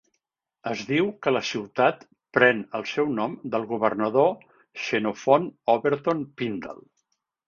Es diu que la ciutat pren el seu nom del governador Xenophon Overton Pindall.